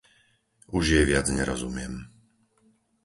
Už jej viac nerozumiem.